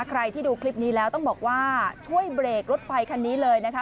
ใครที่ดูคลิปนี้แล้วต้องบอกว่าช่วยเบรกรถไฟคันนี้เลยนะคะ